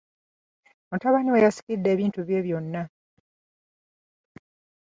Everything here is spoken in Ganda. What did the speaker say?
Mutabani we yasikidde ebintu bye byonna.